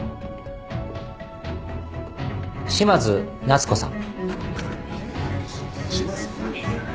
嶋津奈都子さん。